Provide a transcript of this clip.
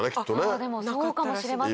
そうかもしれませんね。